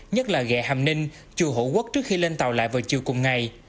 nhất là ghẹ hạm ninh chùa hữu quốc trước khi lên tàu lại vào chiều cùng ngày